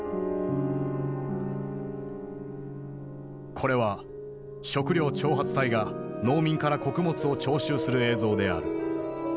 これは食糧徴発隊が農民から穀物を徴収する映像である。